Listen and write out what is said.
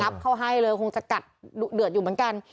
เข้าให้เลยคงจะกัดดุเดือดอยู่เหมือนกัน